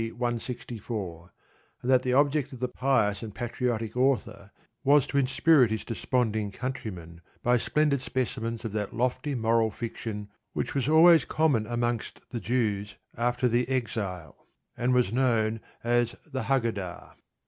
164, and that the object of the pious and patriotic author as to inspirit his desponding countrymen by splendid specimens of that lofty moral fiction which was always common amongst the Jews after the Exile, and was known as "The Haggadah."